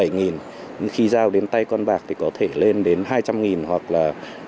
khi giao đến tay con bạc thì có thể lên đến hai trăm linh hoặc là